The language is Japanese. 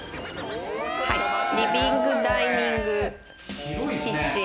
リビングダイニングキッチン。